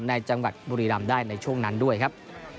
ในจังหวัดบุรีรำได้ในช่วงนั้นด้วยครับ